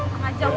nang ajak ga